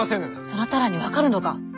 そなたらに分かるのか。